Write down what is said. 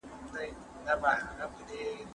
هغه ځای چې بند پکې دی، لرې دی.